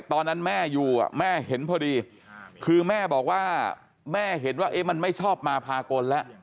ตอนนั้นแม่อยู่แม่เห็นพอดีคือแม่บอกว่าแม่เห็นว่ามันไม่ชอบมาพากลแล้ว